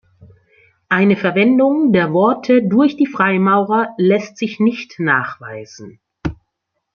Eine Verwendung der Worte durch die Freimaurer lässt sich nicht nachweisen.